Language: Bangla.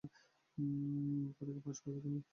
পরীক্ষায় পাস করবে তুমি!